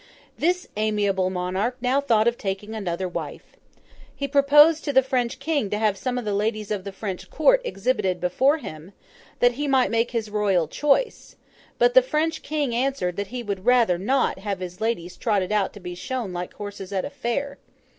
This amiable monarch now thought of taking another wife. He proposed to the French King to have some of the ladies of the French Court exhibited before him, that he might make his Royal choice; but the French King answered that he would rather not have his ladies trotted out to be shown like horses at a fair.